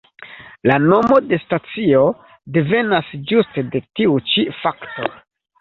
La nomo de stacio devenas ĝuste de tiu ĉi fakto.